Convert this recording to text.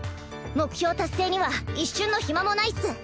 目標達成には一瞬の暇もないっス。